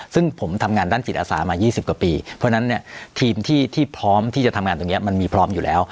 ซึ่งผมทำงานด้านจิตอาสามา๒๐กว่าปีเพราะฉะนั้นเนี่ยทีมที่พร้อมที่จะทำงานตรงนี้มันมีพร้อมอยู่แล้ว